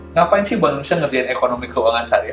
ngapain sih baru bisa ngerjain ekonomi keuangan seharian